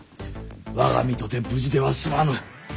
我が身とて無事では済まぬ。